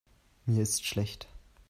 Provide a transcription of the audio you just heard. Mir ist schlecht.